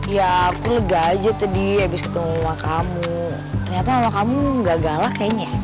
ya aku lega aja tadi abis ketemu sama kamu ternyata sama kamu gak galak kayaknya